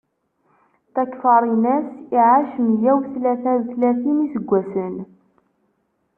Takfarinas iɛac meyya u tlata u tlatin n iseggasen.